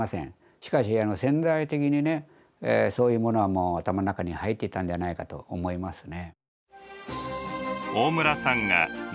しかし潜在的にねそういうものはもう頭の中に入っていたんじゃないかと思いますね。